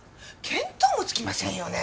見当もつきませんよね。